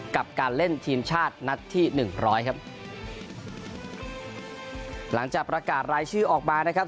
กับการเล่นทีมชาตินัดที่หนึ่งร้อยครับหลังจากประกาศรายชื่อออกมานะครับ